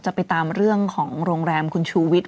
จะไปตามเรื่องของโรงแรมคุณชูวิทย